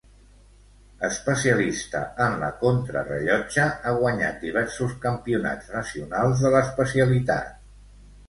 Especialista en la contrarellotge, ha guanyat diversos campionats nacionals de l'especialitat.